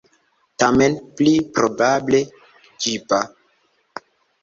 Tamen, pli probable, ĝiba.